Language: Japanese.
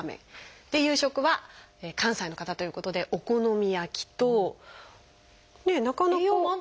夕食は関西の方ということでお好み焼きとなかなか。